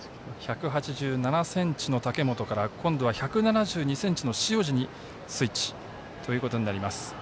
１８７ｃｍの武元から今度は１７２ｃｍの塩路にスイッチとなります。